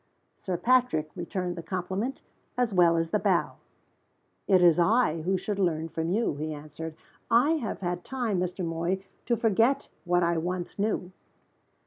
Sir Patrick returned the compliment as well as the bow. "It is I who should learn from you," he answered. "I have had time, Mr. Moy, to forget what I once knew."